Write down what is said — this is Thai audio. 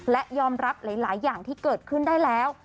และยอมรับหลายอย่างที่เกิดขึ้นได้แล้ว